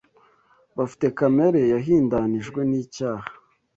bafite kamere yahindanijwe n’cyaha